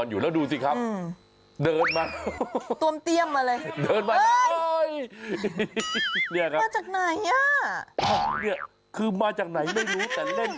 จะเอาผ้ามาล่อซ้ายล่อขวาสุดท้ายมันก็ไปหลบอยู่ตรงนี้